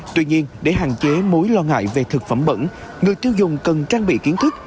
tuy nhiên để hạn chế mối lo ngại về thực phẩm bẩn người tiêu dùng cần trang bị kiến thức